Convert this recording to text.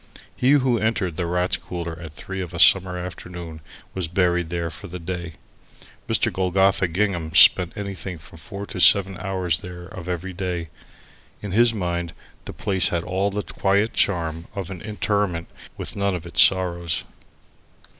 He who entered the Rats' Cooler at three of a summer afternoon was buried there for the day. Mr. Golgotha Gingham spent anything from four to seven hours there of every day. In his mind the place had all the quiet charm of an interment, with none of its sorrows.